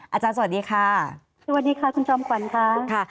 อาจารย์สวัสดีค่ะสวัสดีค่ะคุณจอมขวัญค่ะค่ะ